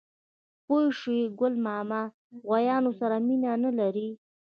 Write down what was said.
_پوه شوې؟ ګل ماما له غوايانو سره مينه نه لري.